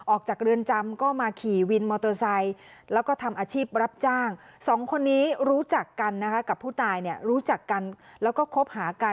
ออกจากเรือนจำก็มาขี่วินมอเตอร์ไซค์แล้วก็ทำอาชีพรับจ้าง